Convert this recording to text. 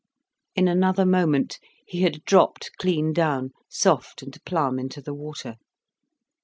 In another moment, he had dropped clean down, soft and plumb, into the water.